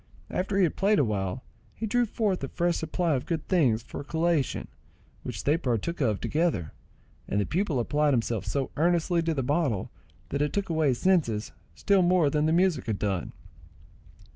After he had played awhile, he drew forth a fresh supply of good things for a collation, which they partook of together, and the pupil applied himself so earnestly to the bottle that it took away his senses still more than the music had done.